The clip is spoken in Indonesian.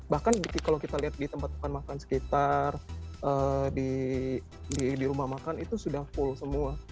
bahkan kalau kita lihat di tempat makan sekitar di rumah makan itu sudah full semua